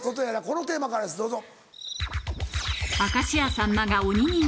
このテーマからですどうぞ。